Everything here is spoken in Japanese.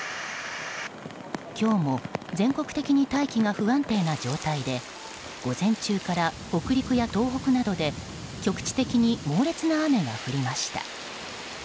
今日も全国的に大気が不安定な状態で午前中から北陸や東北などで局地的に猛烈な雨が降りました。